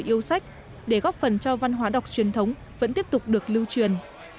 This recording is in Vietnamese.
những ký ức yêu sách để góp phần cho văn hóa đọc truyền thống vẫn tiếp tục được lưu truyền